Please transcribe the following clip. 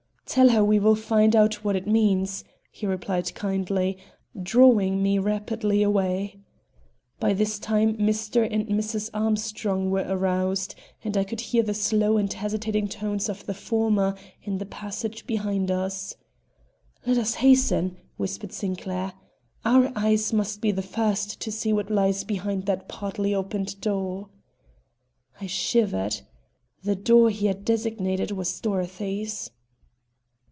"Tell her we will find out what it means," he replied kindly, drawing me rapidly away. By this time Mr. and Mrs. Armstrong were aroused, and I could hear the slow and hesitating tones of the former in the passage behind us. "Let us hasten," whispered Sinclair. "Our eyes must be the first to see what lies behind that partly opened door." I shivered. The door he had designated was Dorothy's.